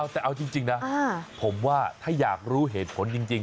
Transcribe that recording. แต่เอาจริงนะผมว่าถ้าอยากรู้เหตุผลจริง